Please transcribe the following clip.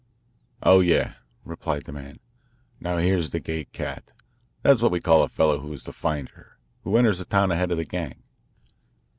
"Oh, yes," replied the man. "Now here's the Gay Cat that's what we call a fellow who is the finder, who enters a town ahead of the gang.